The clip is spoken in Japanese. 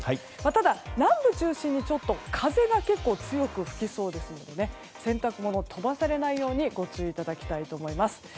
ただ、南部を中心に風が結構強く吹きそうですので洗濯物を飛ばされないようにご注意いただきたいと思います。